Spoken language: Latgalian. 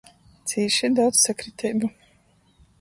Cīši daudz sakriteibu...